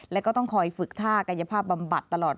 แล้วก็ต้องคอยฝึกท่ากายภาพบำบัดตลอด